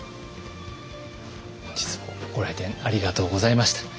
本日もご来店ありがとうございました。